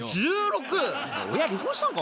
親離婚したのか？